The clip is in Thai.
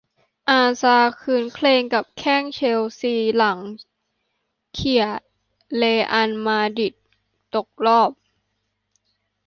อาซาร์ ครื้นเครงกับแข้ง เชลซี หลังเขี่ย เรอัล มาดริด ตกรอบ